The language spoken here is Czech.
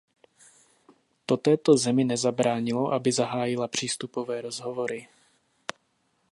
To této zemi nezabránilo, aby zahájila přístupové rozhovory.